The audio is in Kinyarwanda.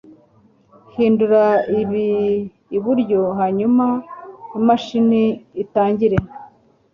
hindura ibi iburyo, hanyuma imashini itangire